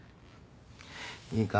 いいか？